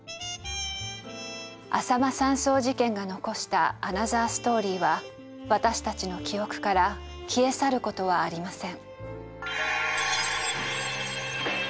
あさま山荘事件が残したアナザーストーリーは私たちの記憶から消え去る事はありません。